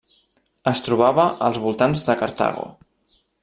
Es trobava als voltants de Cartago.